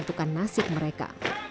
yang menentukan nasib mereka